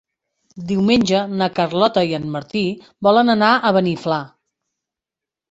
Diumenge na Carlota i en Martí volen anar a Beniflà.